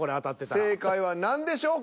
正解は何でしょうか？